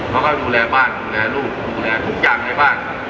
เขาก็ดูแลบ้านดูแลลูกดูแลทุกอย่างในบ้าน